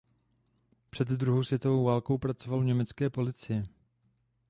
Před druhou světovou válkou pracoval u německé policie.